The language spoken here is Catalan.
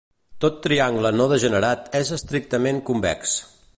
Tot triangle no degenerat és estrictament convex.